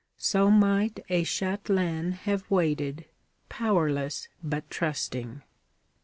So might a châtelaine have waited, powerless but trusting.